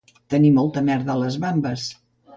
Tenir molta merda a les bambes